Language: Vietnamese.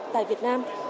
tại việt nam